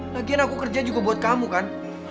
latihan aku kerja juga buat kamu kan